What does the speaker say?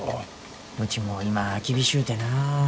うちも今厳しゅうてな。